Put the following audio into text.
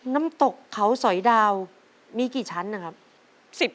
น้ำตกเขาสอยดาวมีกี่ชั้นนะครับ